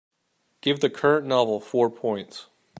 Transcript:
Give the current novel four points.